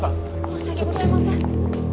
申し訳ございません。